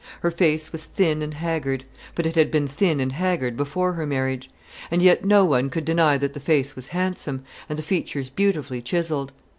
Her face was thin and haggard; but it had been thin and haggard before her marriage. And yet no one could deny that the face was handsome, and the features beautifully chiselled.